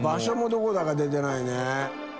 どこだか出てないね。